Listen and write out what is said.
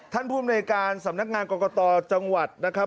ท่านผู้บริการสำนักงานกรกตจังหวัดนะครับ